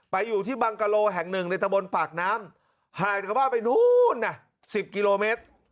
อยู่ที่บังกะโลแห่งหนึ่งในตะบนปากน้ำห่างจากบ้านไปนู้นน่ะ๑๐กิโลเมตร